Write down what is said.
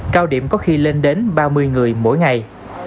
cao điểm có khi lên đến ba mươi người mỗi ngày